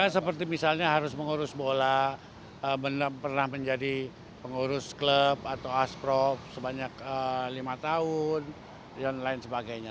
seperti misalnya harus mengurus bola pernah menjadi pengurus klub atau asprof sebanyak lima tahun dan lain sebagainya